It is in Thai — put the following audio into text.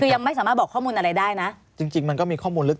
คือยังไม่สามารถบอกข้อมูลอะไรได้นะจริงจริงมันก็มีข้อมูลลึก